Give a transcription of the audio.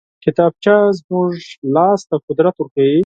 کتابچه زموږ لاس ته قدرت ورکوي